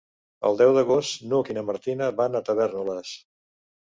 El deu d'agost n'Hug i na Martina van a Tavèrnoles.